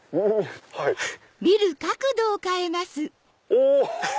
お！